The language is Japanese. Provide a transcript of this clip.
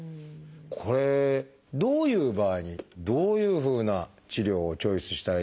これどういう場合にどういうふうな治療をチョイスしたらいいのか。